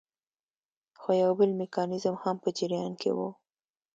خو یو بل میکانیزم هم په جریان کې وو.